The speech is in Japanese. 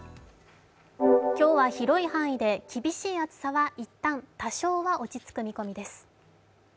今日は広い範囲で厳しい暑さは一旦、多少は落ち着く見込みです。